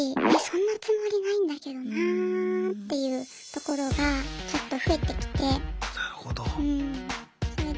えっそんなつもりないんだけどなっていうところがちょっと増えてきて。